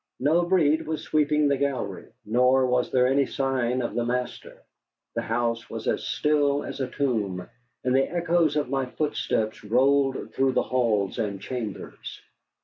No Breed was sweeping the gallery, nor was there any sign of the master. The house was as still as a tomb, and the echoes of my footsteps rolled through the halls and chambers.